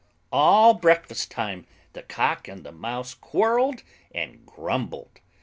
All breakfast time the Cock and the Mouse quarrelled and grumbled.